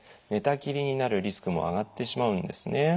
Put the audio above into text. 寝たきりになるリスクも上がってしまうんですね。